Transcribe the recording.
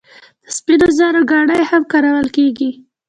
د سپینو زرو ګاڼې هم کارول کیږي.